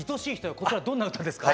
こちらどんな歌ですか？